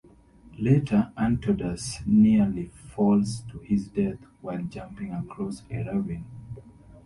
Later, Antodus nearly falls to his death while jumping across a ravine.